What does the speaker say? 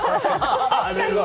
あれは。